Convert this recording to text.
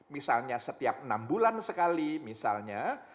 misalnya setiap enam bulan sekali misalnya